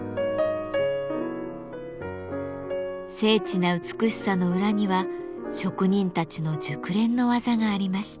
精緻な美しさの裏には職人たちの熟練の技がありました。